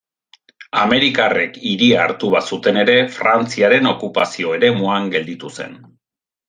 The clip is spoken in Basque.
Amerikarrek hiria hartu bazuten ere Frantziaren Okupazio eremuan gelditu zen.